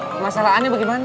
ke masalahannya bagaimana